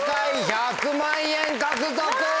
１００万円獲得！